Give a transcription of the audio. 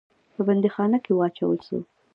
په بندیخانه کې واچول سو.